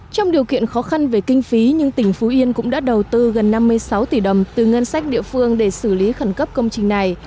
trong điều kiện khó khăn về kinh phí nhưng tỉnh phú yên cũng đã đầu tư gần năm mươi sáu tỷ đồng từ ngân sách địa phương để xử lý khẩn cấp công trình này